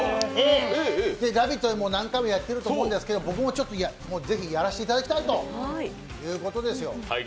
「ラヴィット！」でも何回もやっていると思うんですけど、僕もぜひやらせていただきたいということですよ。